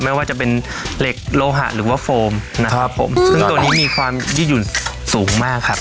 ไม่ว่าจะเป็นเหล็กโลหะหรือว่าโฟมนะครับผมซึ่งตัวนี้มีความยืดหยุ่นสูงมากครับ